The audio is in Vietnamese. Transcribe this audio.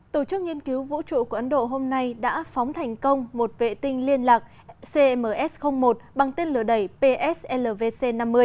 tổ chức nghiên cứu vũ trụ của ấn độ hôm nay đã phóng thành công một vệ tinh liên lạc cms một bằng tên lửa đẩy pslvc năm mươi